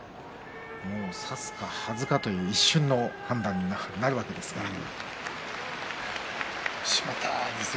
差すか、はずかという一瞬の判断になるわけですけれども。